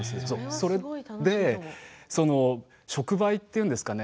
それで触媒というんですかね